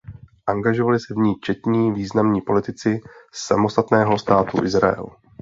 Angažovali se v ní četní významní politici samostatného státu Izrael.